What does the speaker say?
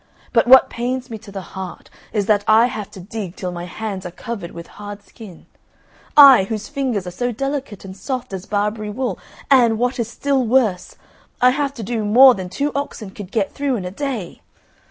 But what pains me to the heart is that I have to dig till my hands are covered with hard skin I whose fingers are so delicate and soft as Barbary wool; and, what is still worse, I have to do more than two oxen could get through in a day.